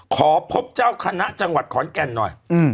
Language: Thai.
ขอพบเจ้าคณะจังหวัดขอนแก่นหน่อย